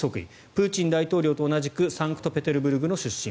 プーチン大統領と同じくサンクトペテルブルク出身。